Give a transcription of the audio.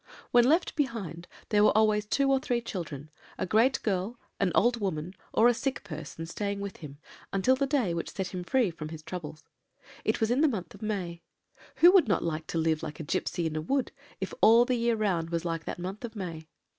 "When left behind, there were always two or three children, a great girl, an old woman, or a sick person, staying with him, until the day which set him free from his troubles. It was in the month of May. Who would not like to live like a gipsy in a wood, if all the year round was like that month of May?